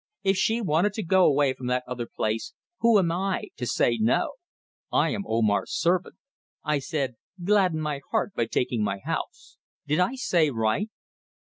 If she wanted to go away from that other place, who am I to say no! I am Omar's servant. I said: 'Gladden my heart by taking my house.' Did I say right?"